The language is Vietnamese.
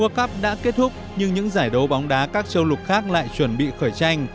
w đã kết thúc nhưng những giải đấu bóng đá các châu lục khác lại chuẩn bị khởi tranh